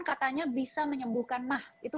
katanya bisa menyembuhkan mah itu